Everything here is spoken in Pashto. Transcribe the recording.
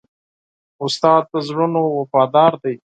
استاد د زړونو وفادار دی.